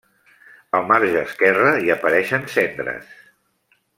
Al marge esquerre hi apareixen cendres.